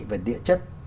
về địa chất